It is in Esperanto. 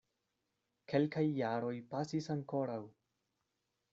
Kelkaj jaroj pasis ankoraŭ.